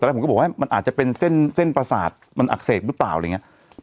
แล้วผมก็บอกว่ามันอาจจะเป็นเส้นประสาทมันอักเสบหรือเปล่าอะไรอย่างนี้